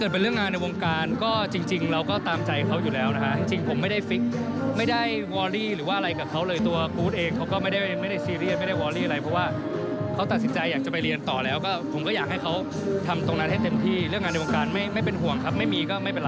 เป็นห่วงครับไม่มีก็ไม่เป็นไร